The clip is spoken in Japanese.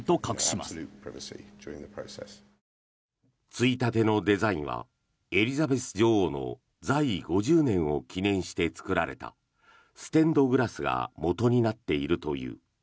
ついたてのデザインはエリザベス女王の在位５０年を記念して作られたステンドグラスがもとになっているという。